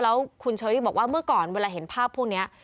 แล้วคุณเชอรี่บอกว่าเมื่อก่อนเวลาเห็นภาพพวกนี้